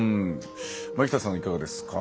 前北さん、いかがですか？